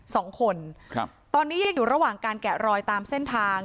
สองคนครับตอนนี้ยังอยู่ระหว่างการแกะรอยตามเส้นทาง